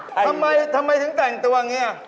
ทำไมทำไมถึงแต่งตัวอย่างนี้